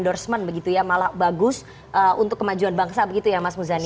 jadi itu adalah endorsement begitu ya malah bagus untuk kemajuan bangsa begitu ya mas muzani